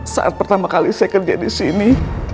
saat pertama kali saya kerja disini